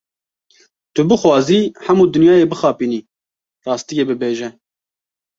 Tu bixwazî hemû dinyayê bixapînî, rastiyê bibêje.